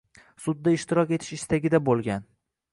Sudda ishtirok etish istagida bo‘lgan